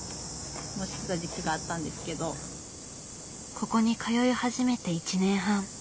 ここに通い始めて１年半。